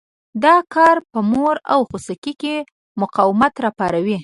دا کار په مور او خوسکي کې مقاومت را پاروي.